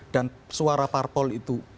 dan suara parpol itu